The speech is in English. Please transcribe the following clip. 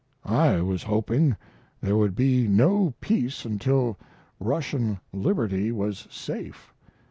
I was hoping there would be no peace until Russian liberty was safe.